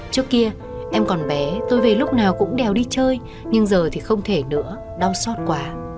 trước kia em còn bé tôi về lúc nào cũng đèo đi chơi nhưng giờ thì không thể nữa đau xót quá